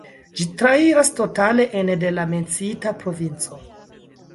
Ĝi trairas totale ene de la menciita provinco.